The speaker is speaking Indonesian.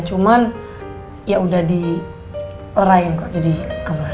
cuman ya udah di lerain kok jadi aman